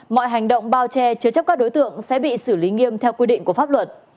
mọi hành động bao che chứa chấp các đối tượng sẽ bị xử lý nghiêm theo quy định của pháp luật